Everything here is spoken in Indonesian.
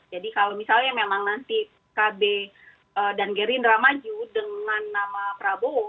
kalau misalnya memang nanti pkb dan gerindra maju dengan nama prabowo